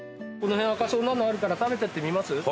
この辺赤そうなのあるから食べてってみます？